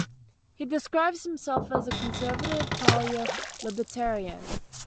He describes himself as a conservative-paleo-libertarian.